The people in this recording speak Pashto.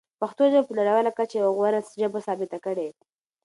پښتو ژبه په نړیواله کچه یوه غوره ژبه ثابته کړئ.